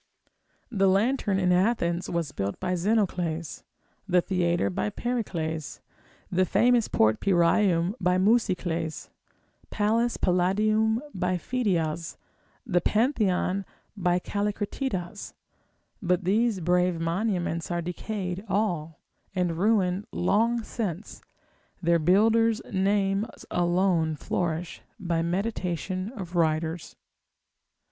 The lantern in Athens was built by Zenocles, the theatre by Pericles, the famous port Pyraeum by Musicles, Pallas Palladium by Phidias, the Pantheon by Callicratidas; but these brave monuments are decayed all, and ruined long since, their builders' names alone flourish by meditation of writers.